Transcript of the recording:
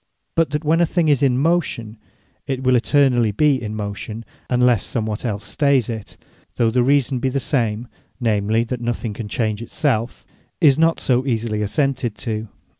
But that when a thing is in motion, it will eternally be in motion, unless somewhat els stay it, though the reason be the same, (namely, that nothing can change it selfe,) is not so easily assented to.